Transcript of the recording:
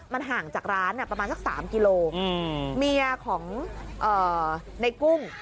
มันห่างจากร้านประมาณสัก๓กิโลเมียของในกุ้ง